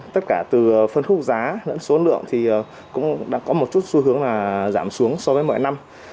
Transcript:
tất cả từ phân khúc giá lẫn số lượng thì cũng đã có một chút xu hướng là giảm xuống so với mọi năm